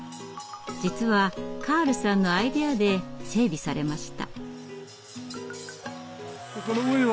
実はカールさんのアイデアで整備されました。